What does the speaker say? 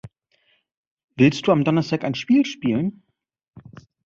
Willst du am Donnerstag ein Spiel spielen?